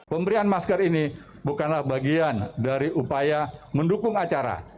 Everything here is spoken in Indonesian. pemberian masker ini bukanlah bagian dari upaya mendukung acara